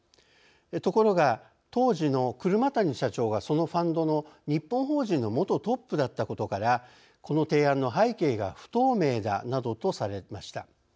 ところが、当時の車谷社長がそのファンドの日本法人の元トップだったことからこの提案の背景が不透明だなどとされました。